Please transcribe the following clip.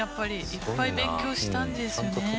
いっぱい勉強したんですね。